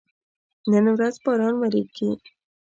نن ورځ باران وریږي